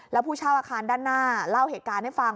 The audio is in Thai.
แล้วผู้เช่าอาคารด้านหน้าเล่าเหตุการณ์ให้ฟัง